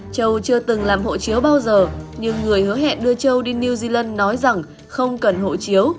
châu chưa từng làm hộ chiếu bao giờ nhưng người hứa hẹn đưa châu đi new zealand nói rằng không cần hộ chiếu